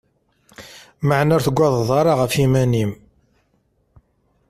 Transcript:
Maɛna ur tugadeḍ ara ɣef yiman-im.